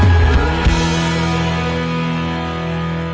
คงได้การ